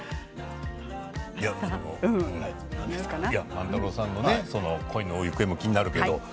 万太郎さんの恋の行方も気になるけど。